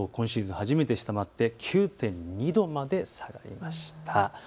初めて下回って９．２度まで下がりました。